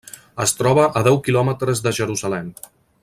Es troba a deu quilòmetres de Jerusalem.